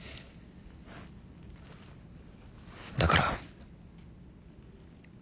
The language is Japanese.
だから。